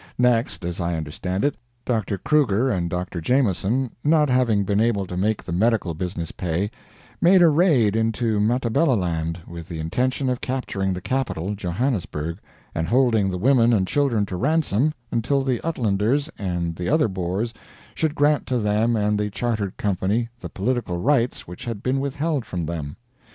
Next, as I understand it, Dr. Kruger and Dr. Jameson, not having been able to make the medical business pay, made a raid into Matabeleland with the intention of capturing the capital, Johannesburg, and holding the women and children to ransom until the Uitlanders and the other Boers should grant to them and the Chartered Company the political rights which had been withheld from them.